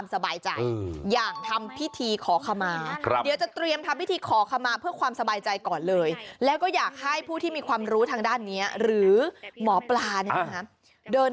สารพระภูมิก็อยู่ใกล้กัน